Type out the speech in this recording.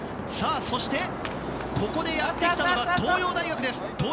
そしてここでやってきた東洋大学です。